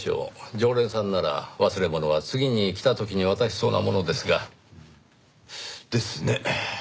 常連さんなら忘れものは次に来た時に渡しそうなものですが。ですね。